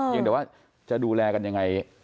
อย่างเดี๋ยวว่าจะดูแลกันอย่างไร